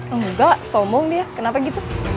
enggak somong dia kenapa gitu